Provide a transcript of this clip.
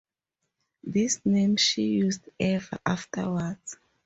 This name she used ever afterwards.